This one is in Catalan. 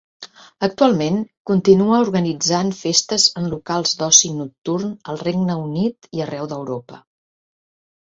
Actualment, continua organitzant festes en locals d'oci nocturn al Regne Unit i arreu d'Europa.